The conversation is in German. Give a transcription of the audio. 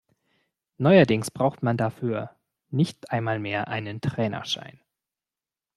Neuerdings braucht man dafür nicht einmal mehr einen Trainerschein.